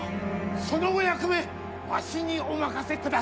そのお役目わしにお任せください。